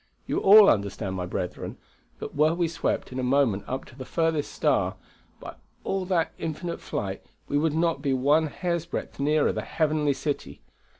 You all understand, my brethren, that were we swept in a moment up to the furthest star, by all that infinite flight we would not be one hair's breadth nearer the heavenly city.